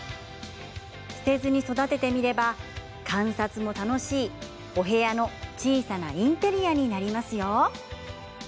捨てずに育ててみれば観察も楽しいお部屋の小さなインテリアになりますよ。